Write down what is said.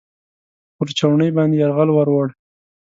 پر چوڼۍ باندې یرغل ورووړ.